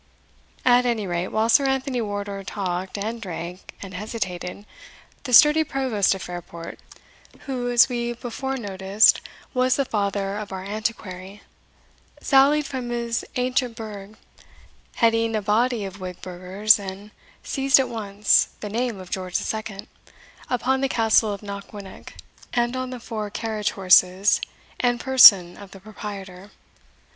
At any rate, while Sir Anthony Wardour talked, and drank, and hesitated, the Sturdy provost of Fairport (who, as we before noticed, was the father of our Antiquary) sallied from his ancient burgh, heading a body of whig burghers, and seized at once, in the name of George II., upon the Castle of Knockwinnock, and on the four carriage horses, and person of the proprietor.